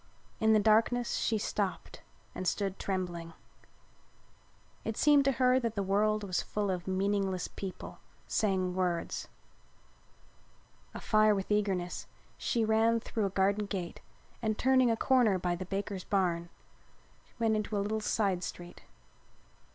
In the darkness she stopped and stood trembling. It seemed to her that the world was full of meaningless people saying words. Afire with eagerness she ran through a garden gate and, turning a corner by the banker's barn, went into a little side street.